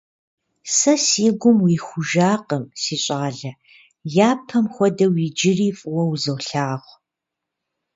Сэ си гум уихуакъым, си щӀалэ, япэм хуэдэу, иджыри фӀыуэ узолъагъу.